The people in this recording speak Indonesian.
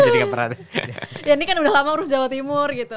ya ini kan udah lama urus jawa timur gitu